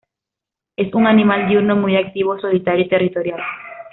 Es un animal diurno, muy activo, solitario y territorial.